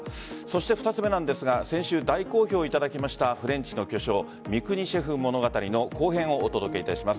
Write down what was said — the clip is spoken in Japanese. ２つ目なんですが先週、大好評をいただきましたフレンチの巨匠三國シェフ物語の後編をお届けいたします。